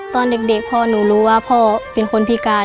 ตอนเด็กพ่อหนูรู้ว่าพ่อเป็นคนพิการ